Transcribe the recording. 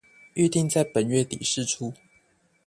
預定在本月底釋出